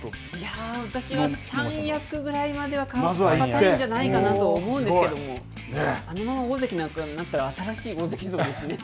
私は三役ぐらいまでは固いんじゃないかなと思うんですけれどもあのまま大関なんかになったら新しい大関像ですね。